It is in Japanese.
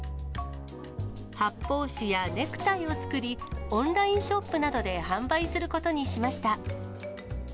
発泡酒やネクタイを作り、オンラインショップなどで販売することにしました。